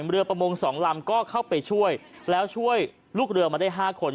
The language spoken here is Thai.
ประมง๒ลำก็เข้าไปช่วยแล้วช่วยลูกเรือมาได้๕คน